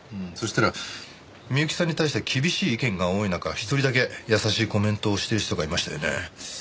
そしたら美由紀さんに対して厳しい意見が多い中１人だけ優しいコメントをしている人がいましたよね。